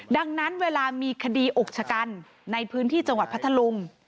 ดังนั้นเวลามีคดีอุกชะกันในพื้นที่จังหวัดพัทธลุง